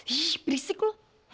ih berisik lo